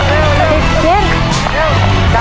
มีทั้งหมด๔จานแล้วนะฮะ